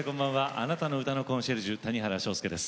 あなたの歌のコンシェルジュ谷原章介です。